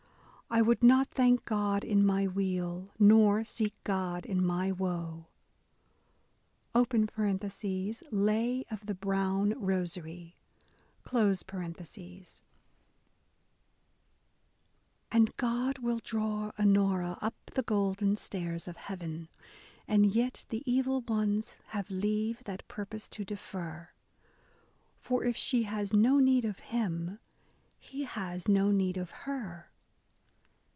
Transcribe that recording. I would not thank God in my weal, nor seek God in my woe. (Lay of the Broton Boaary.) A DAY WITH E. B. BROWNING And God will draw Onora up the golden stairs of Heaven ; And yet the Evil ones have leave that purpose to defer, For if she has no need of Him, He has no need of her."